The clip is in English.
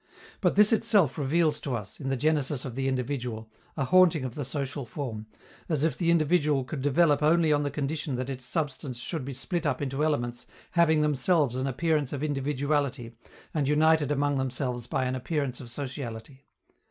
But this itself reveals to us, in the genesis of the individual, a haunting of the social form, as if the individual could develop only on the condition that its substance should be split up into elements having themselves an appearance of individuality and united among themselves by an appearance of sociality.